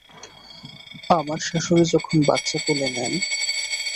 আমার শাশুড়ি যখন বাচ্চা কোলে নেন।